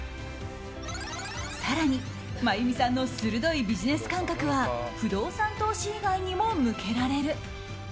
更に、真弓さんの鋭いビジネス感覚は不動産投資以外にも向けられる。